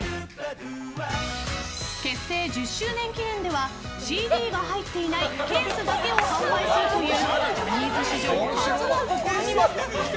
結成１０周年記念ではＣＤが入っていないケースだけを販売するというジャニーズ史上初の試みも。